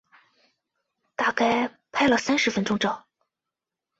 大概拍了三十分钟照